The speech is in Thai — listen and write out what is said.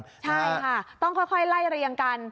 ใช่ค่ะต้องค่อยไล่เรียงกัน